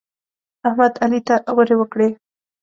احمد؛ علي ته غورې وکړې.